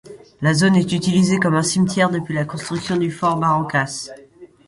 La zone est utilisée comme un cimetière depuis la construction du fort Barrancas.